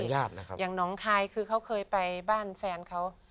อย่างน้องคายคือเขาเคยไปบ้านแฟนเขา